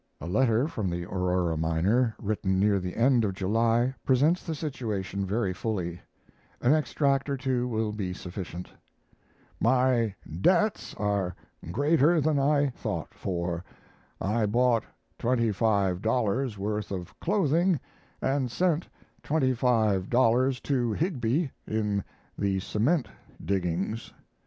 A letter from the Aurora miner written near the end of July presents the situation very fully. An extract or two will be sufficient: My debts are greater than I thought for I bought $25 worth of clothing and sent $25 to Higbie, in the cement diggings.